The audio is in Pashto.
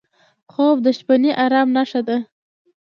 خوب د شپهني ارام نښه ده